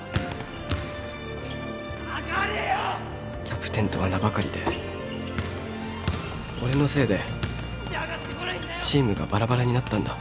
キャプテンとは名ばかりで俺のせいでチームがバラバラになったんだ。